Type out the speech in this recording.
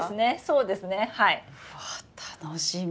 うわ楽しみ！